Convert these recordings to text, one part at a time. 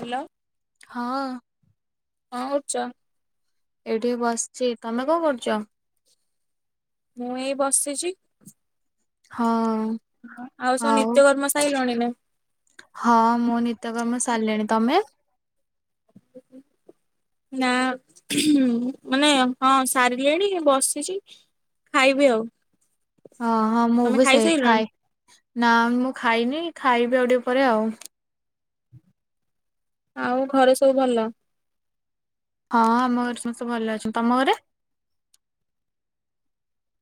Hello. ହଁ। କଣ କରୁଚ? ଏଇଠି ବସିଚି। ତମେ କଣ କରୁଚ? ମୁଁ ଏଇ ବସିଚି। ହଁ। ଆଉ ସବୁ ନିତ୍ୟକର୍ମ ସାଇଲଣି ନା? ହଁ ମୁଁ ନିତ୍ୟକର୍ମ ସାରିଲିଣି। ତମେ? ହୁଁ ହୁଁ ନା ମାନେ ହଁ ସାରିଲିଣି ବସିଚି। ଖାଇବି ଆଉ। ହଁ ହଁ ମୁଁ ତମେ ବି ସେଇ ଖାଏ, ଖାଇସାଇଲଣି? ନା ମୁଁ ଖାଇନି ଖାଇବି ଆଉ ଟିକେ ପରେ ଆଉ। ଆଉ ଘରେ ସବୁ ଭଲ? ହଁ ଆମ ଘରେ ସମସ୍ତେ ଭଲ ଅଛନ୍ତି। ତମ ଘରେ?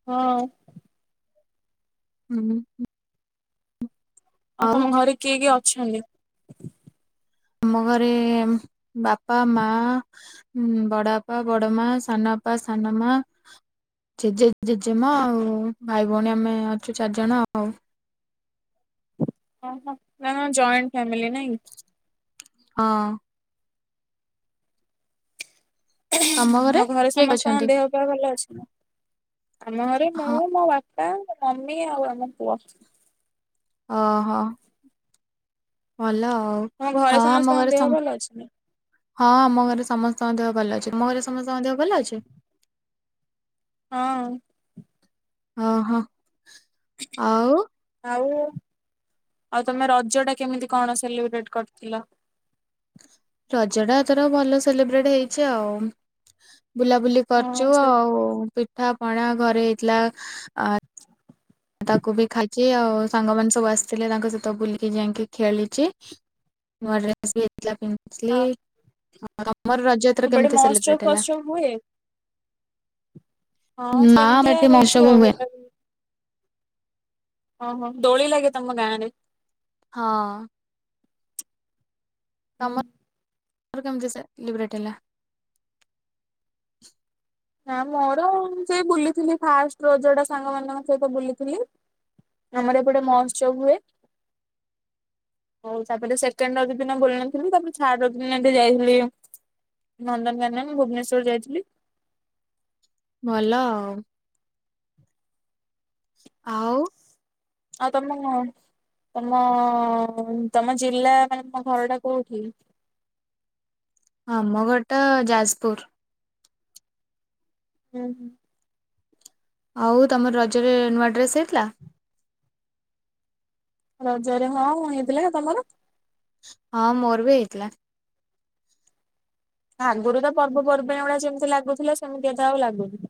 ହଁ। ହୁଁ ଆଉ ତମ ଘରେ କିଏ କିଏ ଅଛନ୍ତି? ଆମ ଘରେ ବାପା, ମା ଉଁ ବଡ଼ବାପା ବଡ଼ମା, ସାନବାପା, ସାନମା ଜେଜେ, ଜେଜେମା ଆଉ ଭାଇ ଭଉଣୀ ଆମେ ଅଛୁ ଚାରିଜଣ ଆଉ। [unintelligible] ନା ତମର ଜଏଣ୍ଟ ଫ୍ୟାମିଲି ନାଇଁ। ହଁ। ତମ ଆଉ ଘରେ କିଏ କିଏ ସମସ୍ତଙ୍କ ଅଛନ୍ତି? ଦେହ ପା ଭଲ ଅଛି? ଆମ ଘରେ ହଁ ମୁଁ ମୋ ବା ପା ମମି ଆଉ ଆମ ପୁଅ। ଅ ହ। ଭଲ ଆଉ। ତମ ଘରେ ସମସ୍ତ ଙ୍କ ଦେହ ଭଲ ଅଛି ନା? ହଁଁ ଆମ ଘରେ ସମସ୍ତଙ୍କ ଦେହ ଭଲ ଅଛି। ତମ ଘରେ ସମସ୍ତଙ୍କ ଦେହ ଭଲ ଅଛି? ହଁ। ହଁ ହଁ। ଆଉ ଆଉ, ଆଉ ତମେ ରଜ ଟା କେମିତି କଣ ସେଲିବ୍ରେଟ୍ କରିଥିଲ? ରଜ ଟା ଏଥର ଭଲ ସେଲିବ୍ରେଟ ହେଇଚି ଆଉ। ବୁଲାବୁଲି ହଁ କରିଚୁ ସେ ଆଉ। ପିଠା ପଣା ଘରେ ହେଇଥିଲା। ଆ [inaudible] ତାକୁ ବି ଖାଇ ଚି ଆଉ। ସାଙ୍ଗ ମାନେ ସବୁ ଆସିଥିଲେ ତାଙ୍କ ସହିତ ବୁଲିକି ଯାଇକି ଖେଳିଚି। ନୂଆ ଡ୍ରେ [unintelligible] ପିନ୍ଧିଥିଲି। ହଁ ତମର ରଜ ଏଥର ସେପଟେ କେମିତି ମହୋତ୍ସବ ସେଲିବ୍ରେଟ ହେଲା? ଫହୋତ୍ସବ ହୁଏ? ହଁ ନା ଆମର ସେମିତିଆ ଏଠି ମହୋତ୍ସବ ହେଇଚି ହୁଏ। ଆଉ। [unintelligible] ଓ ହୋ। ଦୋଳି ଲାଗେ ତମ ଗାଁରେ? ହଁ। ହୁଁ। ତମର ତମର କେମିତି ଲିବ୍ରେଟ ହେଲା? [inaudible] ନା ମୋର ସେଇ ବୁଲିଥିଲି ଫାଷ୍ଟ ରଜ ଟା ସାଙ୍ଗ ମାନଙ୍କ ସହିତ ବୁଲିଥିଲି ଆମର ଏପଟେ ହୁଁ ମହୋତ୍ସବ ହୁଏ। ହଉ ତାପରେ ସେକେଣ୍ଡ ରଜ ଦିନ ବୁଲନଥିଲି ତାପରେ ଥାର୍ଡ ରଜ ଦିନ ଏମତି ଯାଇଥିଲି ନନ୍ଦନକାନନ ଭୁବନେଶ୍ୱର ଯାଇଥିଲି। ଭଲ ଆଉ। ଆଉ? ଆଉ ତମ ତମ ତମ ଜିଲ୍ଲା ମାନେ ତମ ଘର ଟା କୋଉଠି? ଆମ ଘରଟା ଯାଜପୁର। ହୁଁ ହୁଁ। ହଉ ତମର ରଜରେ ନୂଆ ଡ୍ରେସ୍ ହେଇଥିଲା? ରଜରେ ହଁ ହେଇଥିଲା, ତମର? ହଁ ମୋର ବି ହେଇଥିଲା। ଆଗରୁ ତ ପର୍ବପର୍ବାଣି ଗୁଡା ଯେମିତି ଲାଗୁଥିଲା ସେମିତି ଏ ତ ଆଉ ଲାଗୁନି।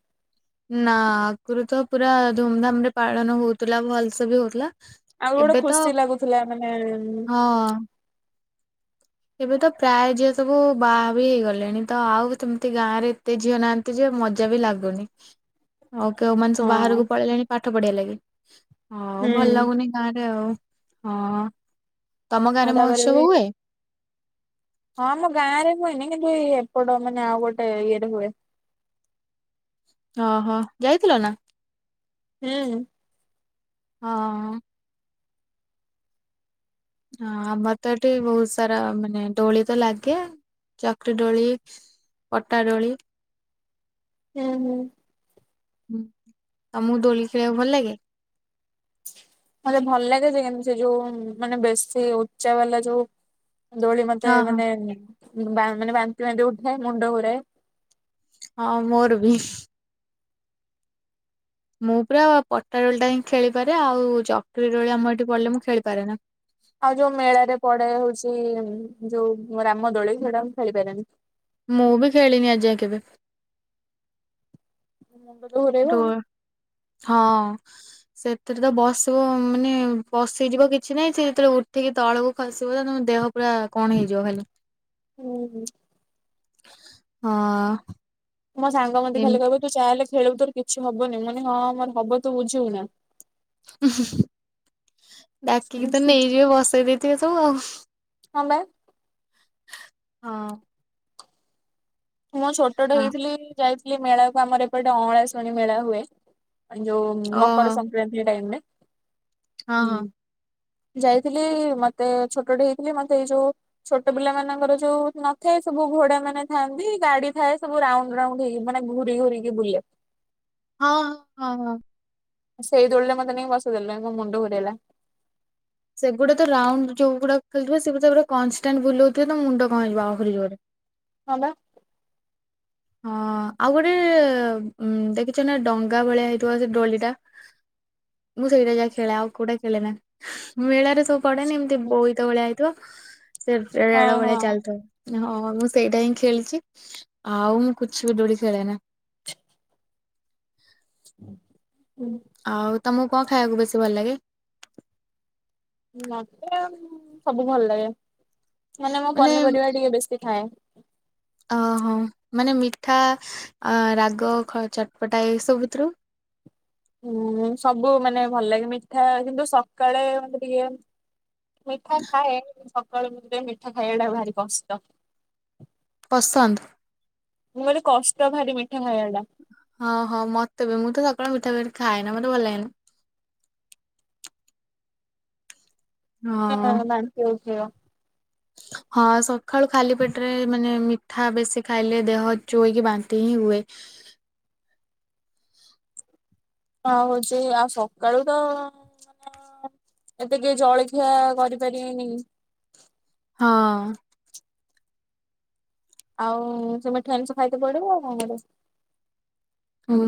ନା ଆଗରୁ ତ ପୁରା ଧୁମଧାମରେ ପାଳନ ହଉଥିଲା ଭଲ ସେ ବି ହଉଥିଲା ଆଉ ଗୋଟେ ଏବେ ତ ଖୁସି ଲାଗୁଥିଲା ମାନେ ହଁ ଏବେ ତ ପ୍ରାୟ ଝିଅ ସବୁ ବାହା ବି ହେଇଗଲେଣି ତ ଆଉ ସେମିତି ଗାଁରେ ଏତେ ଝିଅ ନାହା କିଛି ମଜା ବି ଲାଗୁନି। ଆଉ କେଉମାନେ ସବୁ ହଁ ବାହାରକୁ ପଳେଇଲେଣି ପାଠ ପଢିବାଲାଗି, ଆଉ ହୁଁ ଭଲ ଲାଗୁନି। ଗାଁ ରେ ଆଉ ହଁ ତମ ଆଉ ଗାଁରେ ତାପରେ ବି ମହୋତ୍ସବ ହୁଏ? ହଁ ଆମ ଗାଁ ରେ ହୁଏନି କିନ୍ତୁ ଏପଟ ମାନେ ଆଉ ଗୋଟେ ଇଏରେ ହୁଏ। ଅ ହଁ ଯାଇଥିଲ ନା? ହୁଁ। ହଁ। ହଁ ଆମର ତ ଏଠି ବହୁତ ସାରା ମାନେ ଦୋଳି ତ ଲାଗେ ଚକରି ଦୋଳି ପଟାଡୋଳି- ହୁଁ ହୁଁ। ତମକୁ ଦୋଳି ଖେଳିବାକୁ ଭଲ ଲାଗେ? ମତେ ଭଲ ଲାଗେ ଯେ କିମତି ସେ ଯୋଉ ମାନେ ବେଶୀ ଉଚ୍ଚା ବାଲା ଯୋଉ ଦୋଳି ମତେ ହଁ ହଁ। ମାନେ ମାନେ ବାନ୍ତି ବାନ୍ତି ଉଠେ ମୁଣ୍ଡ ଘୁରାଏ। ହଁ ମୋର ବି। ମୁଁ ପୁରା ପଟାଦୋଳି ଟା ହିଁ ଖେଳିପାରେ ଆଉ ଚକରୀ ଦୋଳି ଆମ ଏଠି ପଡିଲେ ମୁଁ ଖେଳିପାରେ ନା। ଆଉ ଯୋଉ ମେଳାରେ ପଡେ ହଉଛି ଯୋଉ ରାମ ଦୋଳି ସେଟା ମୁଁ ଖେଳି ପାରନି। ମୁଁ ବି ଖେଳିନି ଆଜିଯାଏଁ କେବେ। ଘରୋଇବ ଦୋ ଆଉ। ହଁ। ସେଥିରେ ତ ବସିବ ମାନେ ବସିିଯିବ କିଛି ନାହିଁ ସେ ଯେଥିବେଳେ ଉଠିକି ତଳକୁ ଖସିବ ତ ତମ ଦେହ ପୁରା କଣ ହେଇଯିବ ଖାଲି ହୁଁ ହଁ। ମୋ ସାଙ୍ଗ ମତେ ଏମ ଖାଲି କହିବେ ତୁ ଚାହିଁଲେ ଖେଳୁ ତୋ କିଛି ହବନି ମାନେ ହଁ ମୋର ହବ ତୁ ବୁଝିବୁ ନା। ଡାକିକି ତ ନେଇଯିବେ ବସେଇ ଦେଇଥିବେ ସବୁ ଆଉ। ହଁ ବା। ହଁ। ମୁଁ ଛୋଟଟେ ହଁ ହେଇଥିଲି ଯାଇଥିଲି ମେଳାକୁ ଆମର ଏପଟେ ଅଁଳା ଶୁଣୀ ମେଳା ହୁଏ। ଯୋଉ ମକର ଓହୋ ସଂକ୍ରାନ୍ତି ଟାଇମରେ ହଁ ହଁ। ଯାଇଥିଲି ମତେ ଛୋଟଟି ହେଇଥିଲି ମତେ ଏଇ ଯୋଉ ଛୋଟ ପିଲା ମାନଙ୍କର ଯୋଉ ନଥାଏ ସବୁ ଘୋଡା ମାନେ ଥାଆନ୍ତି ଗାଡି ଥାଏ ସବୁ ରାଉଣ୍ଡ ରାଉଣ୍ଡ ହେଇି ମାନେ ଘୁରି ଘୁରିକି ବୁଲେ ହଁ ହଁ ହଁ ହଁ। ସେଇ ଦୋଳିରେ ମତେ ନେଇକ ବସିଦେଲ ମୁଣ୍ଡ ବୁଲେଇଲା। ସେଗୁଡା ତ ର ରାଉଣ୍ଡ ଯୋଉଗୁଡା ଖେଳୁଥିବ ସେଗୁଡା ଏ କନଷ୍ଟାଣ୍ଟ ବୁଲଉଥିବ ତ ମୁଣ୍ଡ କଣ ହେଇଯିବ ଆହୁରି ଯୋରେ। ହଁ ପା ହଁ ଆଉ ଗୋଟେ ଉ ଦେଖିଛ ନା ଡଙ୍ଗା ଭଳିଆ ହେଇଥିବ ସେ ଦୋଳିଟା। [inaudible] ମୁଁ ସେଇଟା ଯାହା ଖେଳେ ଆଉ କୋଉଟା ଖେଳେ ନାଁ ମେଳାରେ ସବୁ ପଡେନି ଏମିତି ବୋଇତ ଭଳିଆ। ତ ସେ ହଁ ରେଳ ଭେଳିଆ ହଁ ଚାଲିଥିବ ହଁ ମୁଁ ସେଇଟା ହିଁ ଖେଳିଚି। ଆଉ ମୁଁ କିଛି ବି ଡୋଳି ଖେଳେ ନା। ହୁଁ। ଆଉ ତମକୁ କଣ ଖାଇବାକୁ ବେଶୀ ଭଲ ଲାଗେ? ମତେ ସବୁ ଭଲ ଲାଗେ ମାନେ ମୋ ପନିପରିବା ଟିକେ ବେଶୀ ଖାଏ। ଅହୋ ମାନେ ମିଠା ଆ ରାଗ ଚଟପଟା ଏସବୁ ଭିତରୁ ହୁଁ ସବୁ ମାନେ ଭଲ ଲାଗେ ମିଠା କିନ୍ତୁ ସକାଳେ ମତେ ଟିକେ ମିଠା ଖାଏ ସକାଳୁ ମିରେ ମିଠା ଖାଇବାଟା ଭାରି କଷ୍ଟ। ପସନ୍ଦ। ମୁଁ କହିଲି କଷ୍ଟ ଭାରି ମିଠା ଖାଇବା ଟା। ହଁ ହଁ ମତେ ବି ମୁଁ ତ ସକାଳେ ମିଠାପି ଖଏନା ମତେ ଭଲ ଲାଗେନି। ହଁ [unintelligible] ହଁ ସକାଳୁ ଖାଲି ପେଟରେ ମାନେ ମିଠା ବେଶି ଖାଇଲେ ଦେହ ଚୁଇକି ବାନ୍ତି ତି ହୁଏ। ହଁ ହୋଉଛି ଆଉ ସକାଳୁ ତ ତ ଏତେ କିଏ ଜଳଖିଆ କରିପାରିବେନି। ହଁ। ଆଉ ସେ ମିଠୁଆନ୍ସ ଖାଇତ ପଡିବ ଆଉ କରେ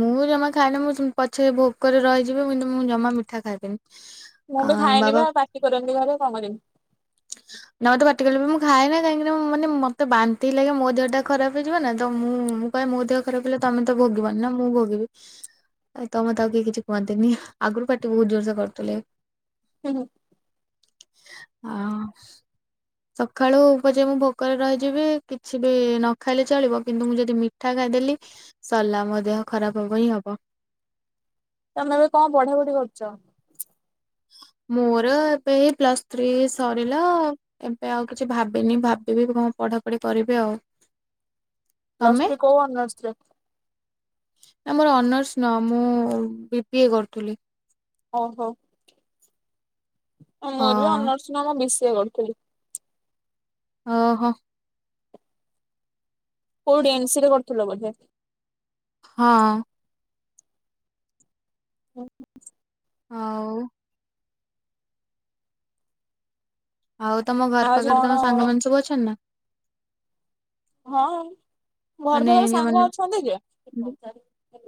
ମୁଁ ଜମା ଖାଇନି ମୁଁ ପଛେ ଭୋଗ କରି ରହିଯିବି କିନ୍ତୁ ମୁଁ ଜମା ମିଠା ଖାଇବନି। ମୁଁ ବି ଖାଇନି ବା ପାଟି କରନ୍ତି କରନ୍ତି ଘରେ କଣ କରିବି? ନା ମତେ ପାଟିକଲେ ବି ମୁଁ ଖାଏ ନା କାହିଁକିନା ମାନ ମତେ ବାନ୍ତିଇ ଲାଗେ ମୋ ଦେହ ଟା ଖରାପ ହେଇଯିବ ନା ତ ମୁଁ କହେ ମୋ ଦେହ ଖରାପ ହେଥିଲା ତମେ ତ ଭୋଗିବନି ନା ମୁଁ ଭୋଗିବି। ତମତେ ଆଉ କେହି କିଛି କୁହନ୍ତିନି ଆଗରୁ ପାଟି ବହୁତ ଜୋରସେ କରୁଥିଲେ। ହୁଁ ହୁଁ। ଆ [inaudible] ସକାଳୁ ଉପଯେ ମୁଁ ଭୋକରେ ରହିଯିବି କିଛି ବି ନ ଖାଇଲେ ଚଳିବ କିନ୍ତୁ ମୁଁ ଯଦି ମିଠା ଖାଇଦେଲି। ସରିଲା ମ ଦେହ ଖରାପ ହବ ହଁ ହବ। ତମେ ଏବେ କଣ ବଢ଼ା ବଢି କରୁଛ। ମୋର ଏବେ ଏଇ ପ୍ଲସ ଥ୍ରୀ ସରିଲା ଆଉ। ଏବେ ଆଉ କିଛି ଭାବିନି ଭାବିବି କଣ ପଢାପଢି କରିବି ଆଉ। ପ୍ଲସ ତମେ ଥ୍ରୀ କୋଉ ଅନର୍ସ ରେ? ଆମର ଅନର୍ସ ନୁହଁ ମୁଁ ବି ପି ଏ କରୁଥିଲି। ଓହୋ ମୋର ବି ହଁ ଅନର୍ସ ନୁହଁ ମୁଁ ବି ସି ଏ କରୁଥିଲି। ଓହୋ। କୋଉଠି ଏନ୍ସି ରେ କରୁଥିଲ ବୋଧେ? ହଁ। ହଁ ଆଉ ଆଉ ତମ ଘର ଆଜି ପାଖରେ କଣ ତମ ସାଙ୍ଗ ମାନ ସବୁ ଅଛନ୍ତି ନା? ହଁ ଘର ମାନେ ପାଖରେ ସାଙ୍ଗ ଯୋଉମାନେ ଅଛନ୍ତି ଯେ।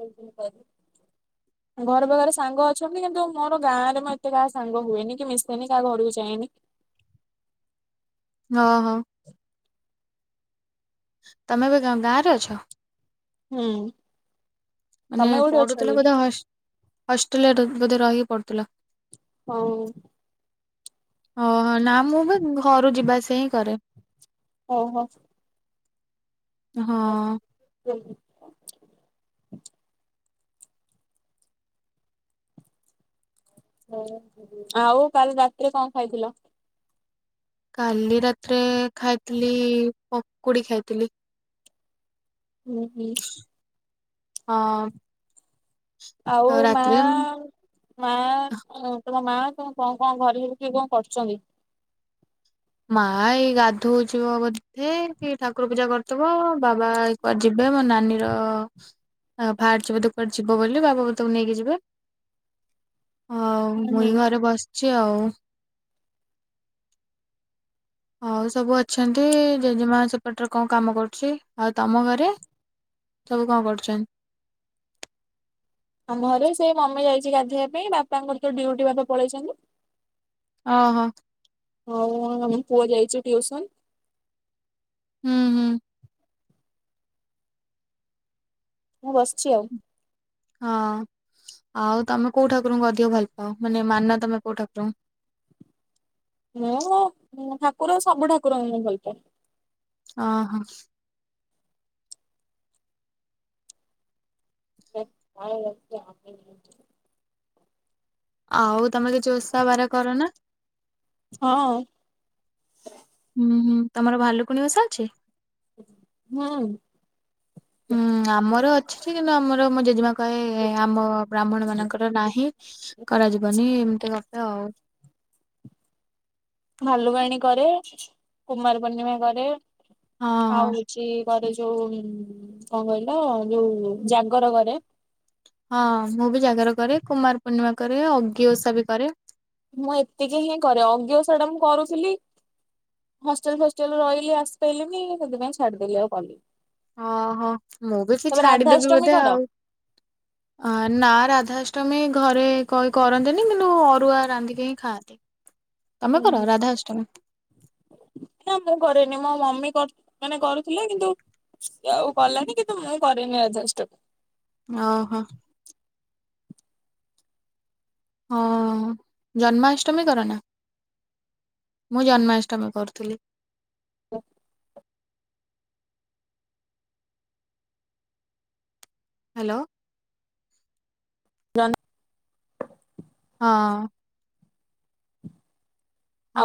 [inaudible] ଘର ପାଖରେ ସାଙ୍ଗ ଅଛନ୍ତି। କିନ୍ତୁ ମୋର ଗାଁ ରେ ମୋ ଏତେ କାହା ସାଙ୍ଗ ହୁଏନି କି ମିଶେନି କାହା ଘରକୁ ଯାଇନି। ଓହୋ। ତମେ ଏବେ ଗାଁ ରେ ଅଛ? ହୁଁ ମାନେ ତମେ କୋଉଠି ଅଛ ପଢୁଥିଲା କି? ବୋଧେ ହଷ୍ଟେଲରେ ବୋଧେ ରହିକି ପଡୁଥିଲା ହଁ ଓହୋ ନା ମୁଁ ବି ଘରୁ ଯିବାସ ହିଁ କରେ ଓହୋ ହଁ ସେଞ ଆଉ କାଲି ରାତିରେ କଣ ଖାଇଥିଲ କାଲି ରାତିରେ ଖାଇଥିଲି ପକୁଡି ଖାଇଥିଲି ହୁଁ ହୁଁ ହଁ ଆଉ ତ ମା ରାତିରେ ମା ତମ ମା ତମ କଣ କଣ ଘରେ ହେବ କିଏ କଣ କରୁଛନ୍ତି ମା ଏଇ ଗାଧଉ ଯିବ ବଧଥେ କି ଠାକୁର ପୂଜା କରିଥିବ ବାବା ପରେ ଯିବେ ମୋ ନାନୀର ଆ ବାହାରି ଯିବ ତୁ କୁଡେ ଯିବ ବୋଲି ବାବା ତକୁ ନେଇକି ଯିବେ ହଉ ହୁଁ ମୁଇଁ ହୁଁ ଘରେ ବସିଛି ଆଉ ହଉ ସବୁ ଅଛନ୍ତି ଜେଜେମା ସେପଟରେ କଣ କାମ କରୁଛି ଆଉ ତମ ଘରେ ସବୁ କଣ କରୁଛନ୍ ଆମ ଘରେ ସେଇ ମମି ଯାଇଛି ଗାଧୋଇବା ପାଇଁ ବାପାଙ୍କର ତ ଡୁଟି ଭା ପଳେଇଛନ୍ତି ଓହୋ ହଉ ଆମ ପୁଅ ଯାଇଛୁ ଟିଉସନ ହୁଁ ହୁଁ ମୁଁ ବସିଛି ଆଉ ହଁ ଆଉ ତମେ କୋଉ ଠାକୁରଙ୍କୁ ଅଧିକ ଭଲ ପାଅ ମାନେ ମାନ ତମେ କୋଉ ଠାକୁରଙ୍କୁ ମୁଁ ଠାକୁର ସବୁ ଠାକୁରଙ୍କୁ ମୁ ଭଲ ପାଏ ଓ ହୋ କ ଲ ଆ [inaudible] ଆଉ ତମେ କି ଚୋସାବାର କର ନା ହଁ ହୁଁ ହୁଁ ତମର ଭାଲୁକୁଣ ବସା ଅଛି ହୁଁ ହୁଁ ଆମର ଅଛି କିନ୍ତୁ ଆମର ମ ଜେଜେମା କହେ ଆମ ବ୍ରାହ୍ମଣ ମାନଙ୍କର ନାହିଁ କରାଯିବନି ଏମିତି ଗପ ଆଉ ଭାଲୁବାଣୀ କରେ କୁମାର ପୂର୍ଣ୍ଣିମା କରେ ହଁ ହଁ। ଆଉ ହଉଛି ଘରେ ଯୋଉ କଣ କହିଲ ଯୋଉ ଜାଙ୍ଗର କରେ ହଁ ମୁଁ ବି ଜାଗର କରେ କୁମାର ପୂର୍ଣ୍ଣିମା କରେ ଅଗ୍ଗି ଓଷା ବି କରେ ମୁଁ ଏତିକି ହିଁ କରେ ଅଜ୍ଞ ସୋରଟା ମୁଁ କରୁଥିଲି ହଷ୍ଟେଲ ଫଷ୍ଟେଲ ରହିଲି ଆସି ପାରଲିନି ସେଥିପାଇଁ ଛାଡିଦେଲି ଆଉ କଲି ଓହୋ ମୁଁ ବି ସେ ଛାଡିଦେବି ରାଧାଷ୍ଟମୀ ବୋଧେ କର? ଆଉ [inaudible] ଅ ନା ରାଧାଷ୍ଟମୀ ଘରେ କହି କରନ୍ତିନି କିନ୍ତୁ ଅରୁଆ ରାନ୍ଧିକି ହିଁ ଖାଆନ୍ତି [inaudible] ତମେ କର ରାଧା ଅଷ୍ଟମୀ ମୁଁ କରେନି ମୋ ମମି ମାନେ କରୁଥିଲେ କିନ୍ତୁ ଆଉ ଗଲଣି କିନ୍ତୁ ମୁଁ କରେନି ଆଡଜଷ୍ଟ ଓହୋ ହଁ ଜନ୍ମାଷ୍ଟମୀ କରନା ମୁଁ ଜନ୍ମାଷ୍ଟମୀ କରୁଥିଲି ହ୍ୟାଲୋ [unintelligible] ହଁ।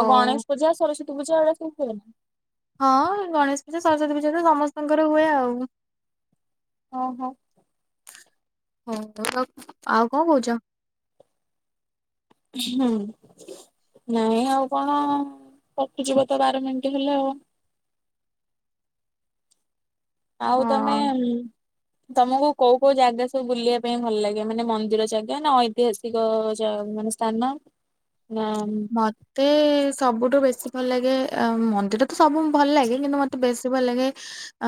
ଆଉ ଗଣେଶ ପୂଜା, ସରସ୍ଵତୀ ପୂଜା ଏଗୁଡ଼ା ସବୁ? [unintelligible] ହଁ ଗଣେଶ ପୂଜା ସରସ୍ଵତୀ ପୂଜା ତ ସମସ୍ତଙ୍କର ହୁଏ ଆଉ। ଓହୋଃ। ହଉ [unintelligible] ଆଉ କଣ କହୁଛ? ହୁଁ ନାଇଁ ଆଉ କଣ କଟିଯିବ ତ ବାର ମିନିଟ ହେଲେ ଆଉ। ଆଉ ହଁ ତମେ ତମକୁ କୋଉ କୋଉ ଜାଗା ସବୁ ବୁଲିବା ପାଇଁ ଭଲ ଲାଗେ ମାନେ ମନ୍ଦିର ଜାଗା ନା ଐତିହାସିକ ମାନେ ସ୍ଥାନ ନା ମତେ ସବୁଠୁ ବେଶୀ ଭଲ ଲାଗେ ମନ୍ଦିର ତ ସବୁ ଭଲ ଲାଗେ କିନ୍ତୁ ମତେ ବେଶି ଭଲ ଲାଗେ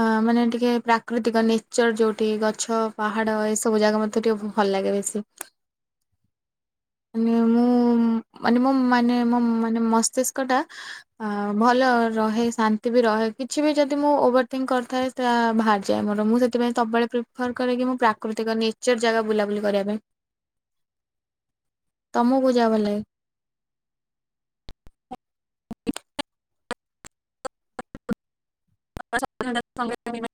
ଅ ମାନେ ଟିକେ ପ୍ରାକୃତିକ ନେଚର ଯୋଉଠି ଗଛ ପାହାଡ଼ ଏସବୁ ଜାଗା ମତେ ଟିକେ ଭଲ ଲାଗେ ବେଶୀ। । ମାନେ ମୁଁ ମାନେ ମୋ ମାନେ ମୋ ମାନେ ମସ୍ତିଷ୍କ ଟା ଅ ଭଲ ରହେ ଶାନ୍ତି ବି ରହେ କିଛି ବି ଯଦି ମୁଁ ଓଭର ଥିଙ୍କ କରିଥାଏ ତା ବାହାରିଯାଏ ମୋର ମୁଁ ସେଥିପାଇଁ ସବୁବେଳେ ପ୍ରିଫର୍ କରେ କି ମୁଁ ପ୍ରାକୃତିକ ନେଚର ଜାଗା ବୁଲାବୁଲି କରିବା ପାଇଁ। । ତମକୁ କୋଉ ଜାଗା ଭଲ ଲାଗେ? [unintelligible]